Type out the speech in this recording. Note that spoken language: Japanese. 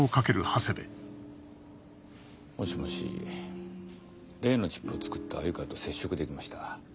もしもし例のチップを作った鮎川と接触できました。